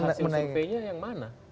hasil surveinya yang mana